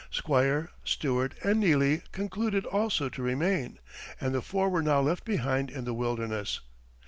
Squire, Stuart, and Neely concluded also to remain, and the four were now left behind in the wilderness.